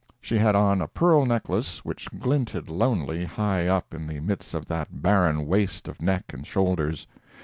She had on a pearl necklace, which glinted lonely, high up in the midst of that barren waste of neck and shoulders.